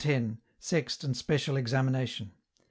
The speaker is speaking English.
10. Sext and special examination.